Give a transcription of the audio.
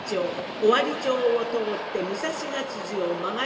尾張町を通って武蔵ヶを曲がり堤